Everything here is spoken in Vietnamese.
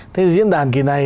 thế diễn đàn kỳ này